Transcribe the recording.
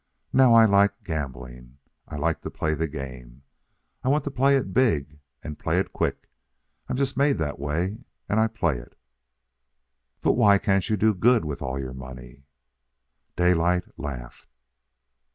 Now I like gambling. I like to play the game. I want to play it big and play it quick. I'm just made that way. And I play it." "But why can't you do good with all your money?" Daylight laughed.